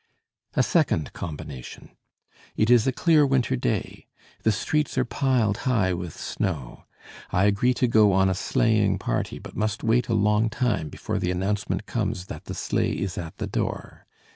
"A second combination. It is a clear winter day. The streets are piled high with snow. I agree to go on a sleighing party, but must wait a long time before the announcement comes that the sleigh is at the door.